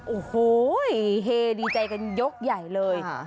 โอ้โหเฮดีใจกันยกใหญ่เลย